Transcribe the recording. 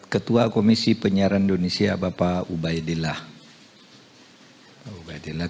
ketua komisi penyiaran indonesia bapak ubaidillah ubadillah